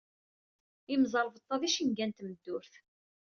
Imẓerbeḍḍa d icenga n tmeddurt.